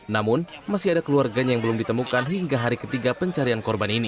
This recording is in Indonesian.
namun masih ada keluarganya yang belum ditemukan hingga hari ketiga pencarian korban ini